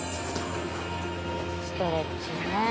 「ストレッチね」